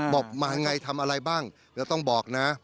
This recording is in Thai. บอกมาอย่างไรทำอะไรบ้างแล้วต้องบอกนะ